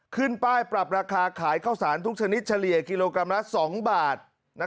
ขึ้นป้ายปรับราคาขายข้าวสารทุกชนิดเฉลี่ยกิโลกรัมละ๒บาท